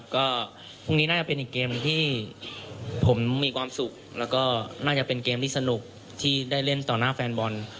ก็นี่น่าจะเป็นเกมที่ค้มชนที่ได้เล่นต่อหน้าแฟนบอล